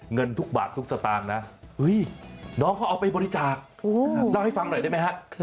เงินทุกบาททุกสตางค์นะน้องเขาเอาไปบริจาคเล่าให้ฟังหน่อยได้ไหมฮะ